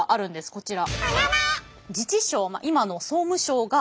こちら。